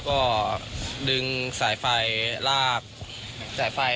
ก็ดึงสายไฟลากสายไฟ